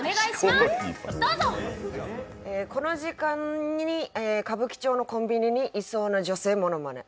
この時間に歌舞伎町のコンビニにいそうな女性のものまね。